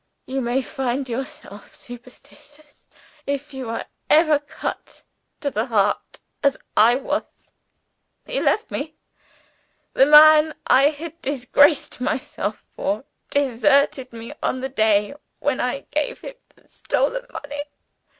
You may find yourself superstitious, if you are ever cut to the heart as I was. He left me! The man I had disgraced myself for, deserted me on the day when I gave him the stolen money.